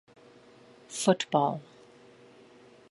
Football.